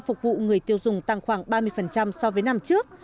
phục vụ người tiêu dùng tăng khoảng ba mươi so với năm trước